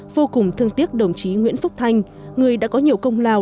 vô cùng thương tiếc đồng chí nguyễn phúc thanh người đã có nhiều công lao